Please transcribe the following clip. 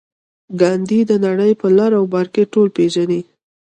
ګاندي د نړۍ په لر او بر کې ټول خلک پېژني